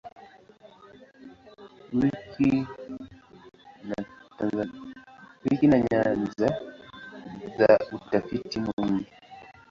Wiki ni nyanja za utafiti mwingi.